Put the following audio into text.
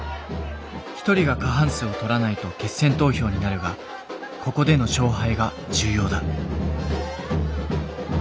１人が過半数をとらないと決選投票になるがここでの勝敗が重要だ。